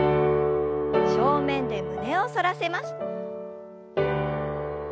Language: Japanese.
正面で胸を反らせます。